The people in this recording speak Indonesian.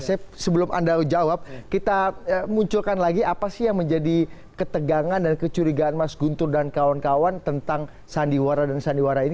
saya sebelum anda jawab kita munculkan lagi apa sih yang menjadi ketegangan dan kecurigaan mas guntur dan kawan kawan tentang sandiwara dan sandiwara ini